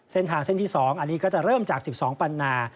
เส้นทางเส้นที่๒อันนี้ก็จะเริ่มจาก๑๒ปันนา